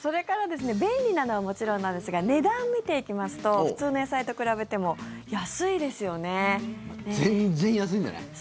それから便利なのはもちろんなんですが値段見ていきますと普通の野菜と比べても全然、安いんじゃない。